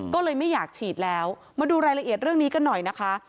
ก็เลยไม่อยากฉีดแล้วมาดูรายละเอียดเรื่องนี้กันหน่อยนะคะ